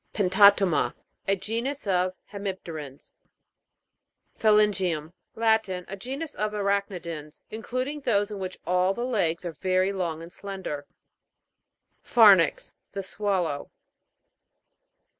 PENTATO'MA. A genus of hemip' terans. PHALAN'GIUM. Latin. A genus of arachnidans, including those in which all the legs are very long and slender. PHA'RYNX. The swallow.